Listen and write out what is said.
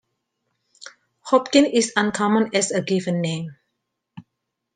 Hopkin is uncommon as a given name.